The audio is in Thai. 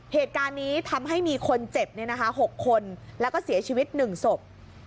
เหตุการณ์นี้ทำให้มีคนเจ็บ๖คนแล้วก็เสียชีวิต๑ศพ